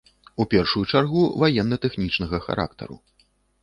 У першую чаргу, ваенна-тэхнічнага характару.